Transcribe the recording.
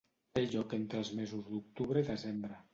Té lloc entre els mesos d'octubre i desembre.